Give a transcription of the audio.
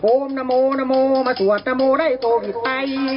โอ้มนโมนโมมาสวชนมอล์ไล่โควิดไป